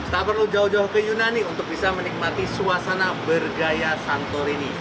tak perlu jauh jauh ke yunani untuk bisa menikmati suasana bergaya santorini